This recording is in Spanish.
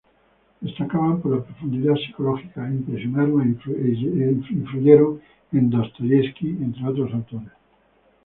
Destacaban por la profundidad psicológica e impresionaron e influyeron en Dostoievski, entre otros autores.